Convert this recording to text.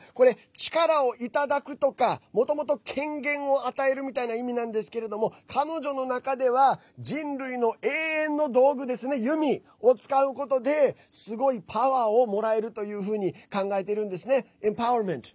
力をいただくとかもともと権限を与えるみたいな意味なんですけれども彼女の中では人類の永遠の道具弓を使うことですごいパワーをもらえるというふうに考えているんですね。